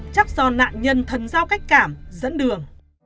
chắc do nạn nhân thần giao cách cảm dẫn đường